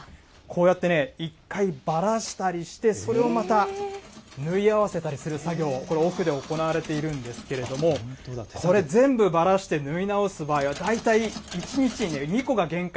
こうやってね、一回ばらしたりして、それをまた縫い合わせたりする作業、これ、奥で行われているんですけれども、これ、全部ばらして縫い直す場合は、大体１日に２個が限界。